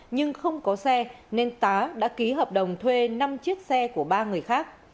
nhưng không có xe nên tá đã ký hợp đồng thuê năm chiếc xe của ba người khác